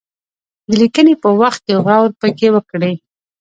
د لیکني په وخت کې غور پکې وکړي.